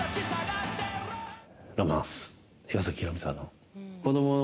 ロマンス、岩崎宏美さんの。